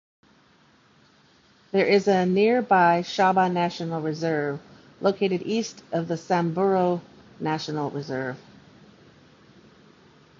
There is a nearby Shaba National Reserve, located east of the Samburu National Reserve.